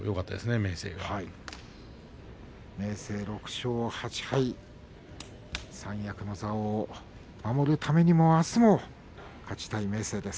明生が６勝８敗三役の座を守るためにもあす勝ちたい明生です。